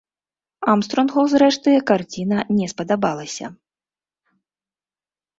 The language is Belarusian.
Армстронгу, зрэшты, карціна не спадабалася.